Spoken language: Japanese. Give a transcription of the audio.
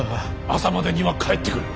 朝までには帰ってくる。